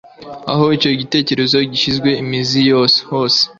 Aho icyo gitekerezo gishinze imizi hose,